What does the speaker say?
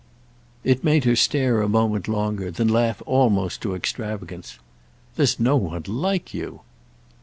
It made her stare a moment longer, then laugh almost to extravagance. "There's no one like you!"